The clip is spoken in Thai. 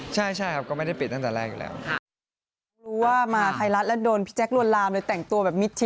ใช่ครับก็ไม่ได้ปิดตั้งแต่แรกอยู่แล้ว